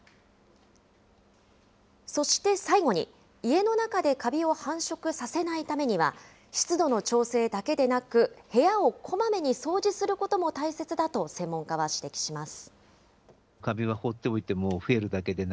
そして最後に、家の中でカビを繁殖させないためには、湿度の調整だけでなく、部屋をこまめに掃除することも大切だと専門家は指摘します。